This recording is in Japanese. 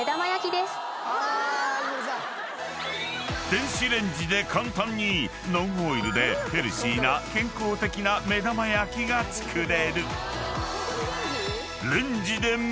［電子レンジで簡単にノンオイルでヘルシーな健康的な目玉焼きが作れる］